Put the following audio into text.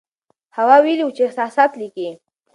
هوا ویلي وو چې احساسات لیکي.